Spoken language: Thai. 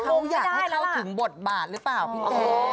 เขาอยากให้เข้าถึงบทบาทหรือเปล่าพี่โอ